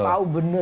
so tau bener gitu